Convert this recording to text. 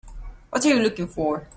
What are you looking for?